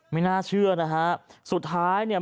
ไม่น่าเชื่อนะฮะสุดท้ายเนี่ย